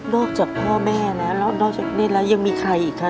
จากพ่อแม่แล้วแล้วนอกจากนี้แล้วยังมีใครอีกคะ